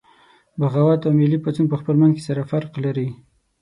بغاوت او ملي پاڅون پخپل منځ کې سره فرق لري